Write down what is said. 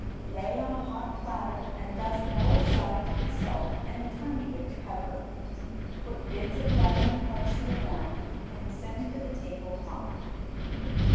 Lay on a hot platter, and dust both sides with salt and a tiny bit of pepper. Put bits of lemon and parsley around, and send to the table hot.